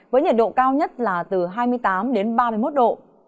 với nhiệt độ cao nhất là từ hai mươi tám ba mươi một độ